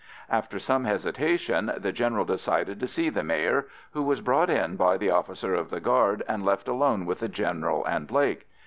After some hesitation the General decided to see the Mayor, who was brought in by the officer of the guard, and left alone with the General and Blake.